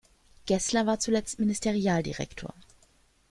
Geßler war zuletzt Ministerialdirektor.